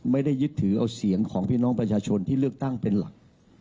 ไม่ได้ยึดถือเอาเสียงของพี่น้องประชาชนที่เลือกตั้งเป็นหลัก